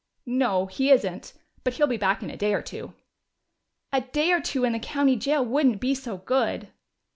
"No, he isn't. But he'll be back in a day or two." "A day or two in the county jail wouldn't be so good!"